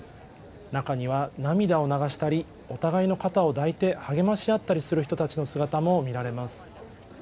中には涙を流したり、お互いの肩を抱いて励まし合ったりする人たちの姿も見られます。